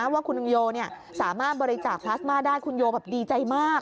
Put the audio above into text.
ว่าคุณลุงโยสามารถบริจาคพลาสมาได้คุณโยแบบดีใจมาก